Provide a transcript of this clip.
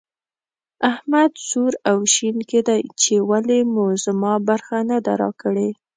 احمد سور او شين کېدی چې ولې مو زما برخه نه ده راکړې.